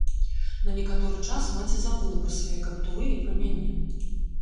На некаторы час маці забыла пра свае каптуры і пра мяне.